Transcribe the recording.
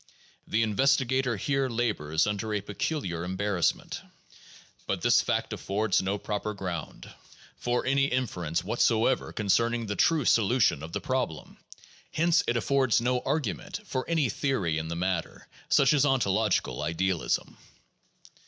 The investigator here labors under a peculiar embarrassment. But this fact affords no proper ground PSYCHOLOGY AND SCIENTIFIC METHODS 9 for any inference whatsoever concerning the true solution of the problem ; hence it affords no argument for any theory in the matter, such as ontological idealism.